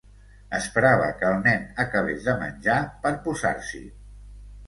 Esperava que el nen acabés de menjar per posar-s'hi.